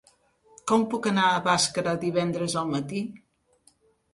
Com puc anar a Bàscara divendres al matí?